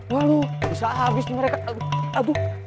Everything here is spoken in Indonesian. bisa abis nih mereka